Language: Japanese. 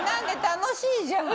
楽しいじゃん。